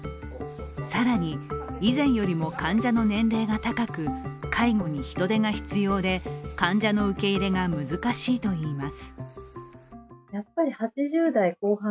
更に、以前よりも患者の年齢が高く介護に人手が必要で患者の受け入れが難しいといいます。